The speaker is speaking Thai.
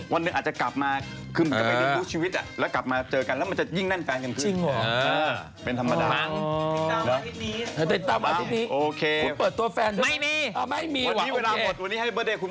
วันหนึ่งอาจจะกลับมารู้ชีวิตแล้วกลับมาเจอกันแล้วมันจะยิ่งแน่นแฟนกันขึ้น